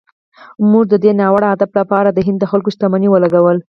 موږ د دې ناوړه هدف لپاره د هند د خلکو شتمني ولګوله.